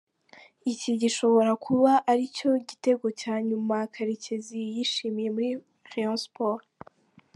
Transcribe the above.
iki gishobora kuba aricyo gitego cya nyuma Karekezi yishimiye muri Rayon Sports.